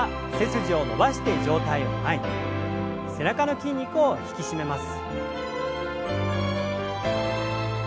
背中の筋肉を引き締めます。